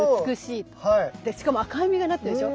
しかも赤い実がなってるでしょ。